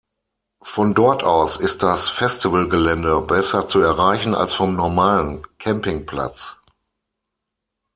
Von dort aus ist das Festivalgelände besser zu erreichen als vom normalen Campingplatz.